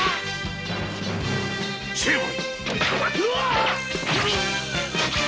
成敗！